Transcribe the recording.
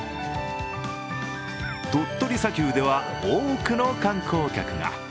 鳥取砂丘では多くの観光客が。